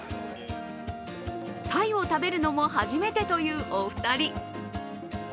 タイを食べるのも初めてというお二人。